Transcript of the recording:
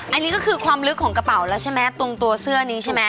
อันนี้ก็คือความลึกของกระเป๋าแล้วใช่ไหมตรงตัวเสื้อนี้ใช่ไหม